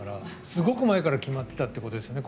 すごく前から決まってたってことですね。